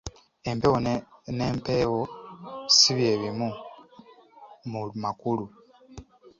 Empewo n'empeewo si bye bimu mu makulu.